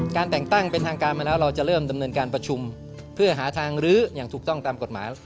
แต่งตั้งเป็นทางการมาแล้วเราจะเริ่มดำเนินการประชุมเพื่อหาทางลื้ออย่างถูกต้องตามกฎหมาย